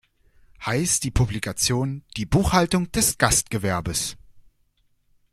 Heiß die Publikation: "Die Buchhaltung des Gastgewerbes".